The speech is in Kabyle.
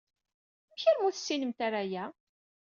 Amek armi ur tessinemt ara aya?